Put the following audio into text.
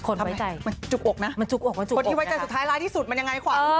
คนไว้ใจมันจุกอกนะคนที่ไว้ใจสุดท้ายร้ายที่สุดมันยังไงความ